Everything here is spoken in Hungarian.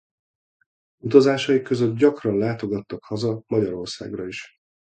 Utazásaik között gyakran látogattak haza Magyarországra is.